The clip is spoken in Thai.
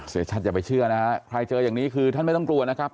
เสียชัดอย่าไปเชื่อนะฮะใครเจออย่างนี้คือท่านไม่ต้องกลัวนะครับ